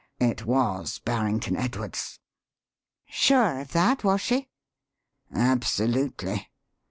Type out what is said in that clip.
It was Barrington Edwards!" "Sure of that, was she?" "Absolutely.